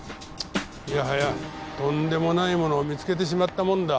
いやはやとんでもないものを見つけてしまったもんだ。